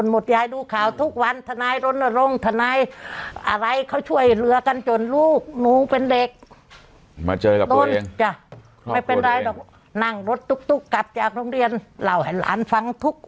มาเจอกับตัวเอง